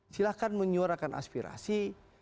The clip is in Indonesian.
silakan menyuarakan aspirasi